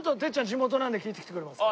地元なんで聞いてきてくれますか？